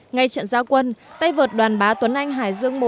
ngay trận giao quân tay vợt đoàn bá tuấn anh hải dương một